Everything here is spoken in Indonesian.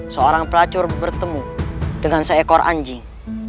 seorang pelacur bertemu dengan seekor anjing